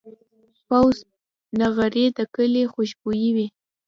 پوخ نغری د کلي خوشبويي وي